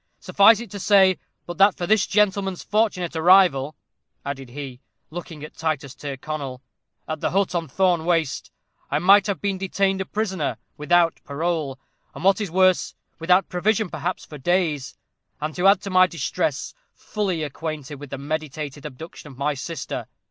Suffice it to say, that but for this gentleman's fortunate arrival," added he, looking at Titus Tyrconnel, "at the hut on Thorne Waste, I might have been detained a prisoner, without parole, and, what is worse, without provision perhaps for days; and to add to my distress, fully acquainted with the meditated abduction of my sister.